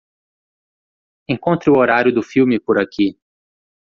Encontre o horário do filme por aqui.